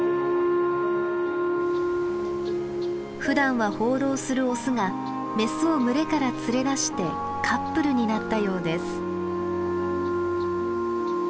ふだんは放浪するオスがメスを群れから連れ出してカップルになったようです。